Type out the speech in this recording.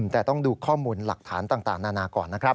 แต่ต้องดูข้อมูลหลักฐานต่างนานาก่อนนะครับ